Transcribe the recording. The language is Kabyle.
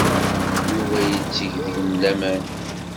Yuba yetteg deg-m laman.